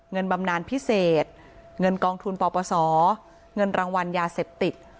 บำนานพิเศษเงินกองทุนปปศเงินรางวัลยาเสพติด